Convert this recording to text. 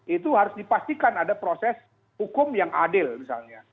itu harus dipastikan ada proses hukum yang adil misalnya